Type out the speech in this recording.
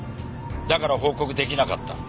だから報告出来なかった。